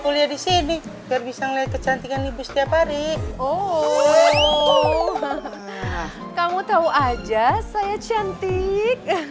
kuliah di sini biar bisa ngelihat kecantikan ibu setiap hari oh kamu tahu aja saya cantik